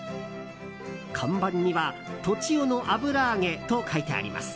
看板には「栃尾の油揚げ」と書いてあります。